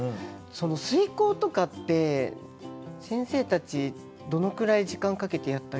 推敲とかって先生たちどのくらい時間かけてやったりするんですか？